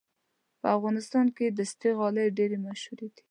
په افغانستان کې دستي غالۍ ډېرې مشهورې دي.